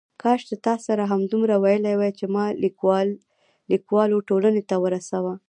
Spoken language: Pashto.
کاش چې تا راسره همدومره ویلي وای چې ما لیکوالو ټولنې ته ورسوه.